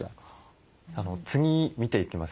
次見ていきます